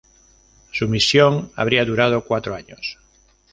Su misión habría durado cuatro años.